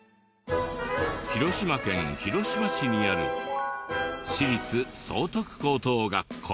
広島県広島市にある私立崇徳高等学校。